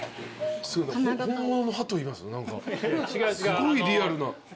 すごいリアルな。